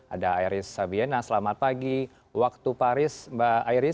ada iris sabiena selamat pagi waktu paris mbak iris